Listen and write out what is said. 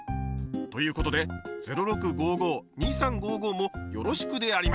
という事で「０６５５」「２３５５」もよろしくであります！